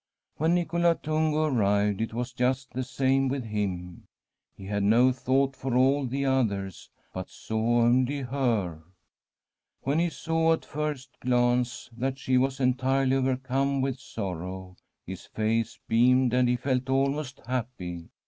When Nicola Tungo arrived, it was just the same with him. He had no thought for all the others, but saw only her. When he saw at the first glance that she was entirely overcome with sorrow, his face beamed, and he felt almost happy.